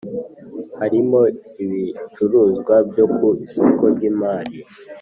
Harimo ibicuruzwa byo ku isoko ry imari